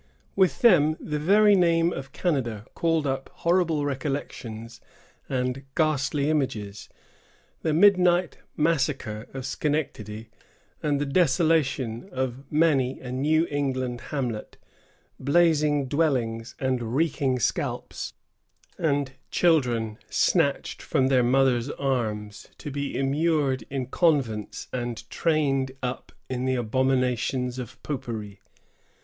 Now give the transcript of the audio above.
With them, the very name of Canada called up horrible recollections and ghastly images: the midnight massacre of Schenectady, and the desolation of many a New England hamlet; blazing dwellings and reeking scalps; and children snatched from their mothers' arms, to be immured in convents and trained up in the abominations of Popery.